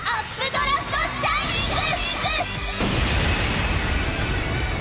ドラフト・シャイニング！